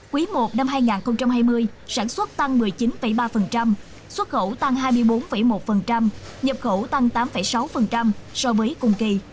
quý i năm hai nghìn hai mươi sản xuất tăng một mươi chín ba xuất khẩu tăng hai mươi bốn một nhập khẩu tăng tám sáu so với cùng kỳ